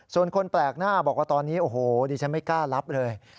ส่วนคนแปลกหน้าบอกว่าตอนนี้โอ้โหดิฉันไม่กล้ารับเลย